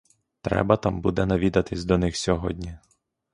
Треба там буде навідатись до них сьогодні.